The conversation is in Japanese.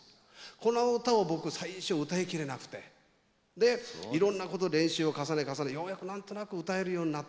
この歌を僕最初歌い切れなくて。でいろんなこと練習を重ね重ねようやく何となく歌えるようになったなって。